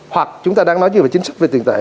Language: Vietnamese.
hoặc chúng ta đang nói như về chính sách về tiền tệ